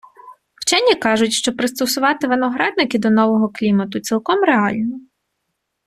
Вчені кажуть, що пристосувати виноградники до нового клімату цілком реально.